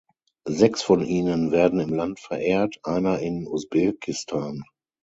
Sechs von ihnen werden im Land verehrt, einer in Usbekistan.